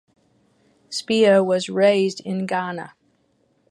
Spio was raised in Ghana.